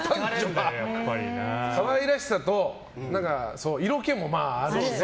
可愛らしさと色気もあるしね。